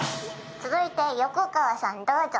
続いて横川さんどうぞ。